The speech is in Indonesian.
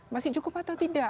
masih cukup atau tidak